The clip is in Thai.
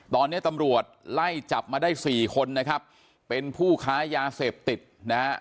ตอนนี้ตำรวจไล่จับมาได้สี่คนนะครับเป็นผู้ค้ายาเสพติดนะฮะ